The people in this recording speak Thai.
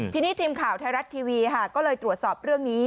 ทีนี้ทีมข่าวไทยรัฐทีวีค่ะก็เลยตรวจสอบเรื่องนี้